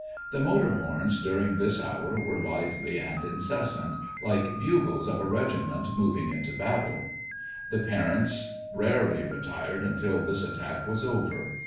The motor horns during this hour were lively and incessant, like bugles of a regiment moving into battle. The parents rarely retired until this attack was over.